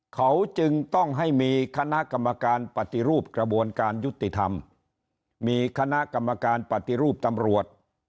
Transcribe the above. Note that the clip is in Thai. เขาจึงต้องให้มีคณะกรรมการปฏิรูปกระบวนการยุติธรรมมีคณะกรรมการปฏิรูปตำรวจ